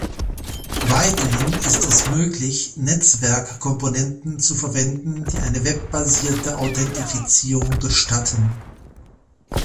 Weiterhin ist es möglich, Netzwerkkomponenten zu verwenden, die eine webbasierte Authentifizierung gestatten.